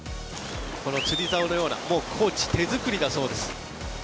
この釣りざおのような、コーチ手作りだそうです。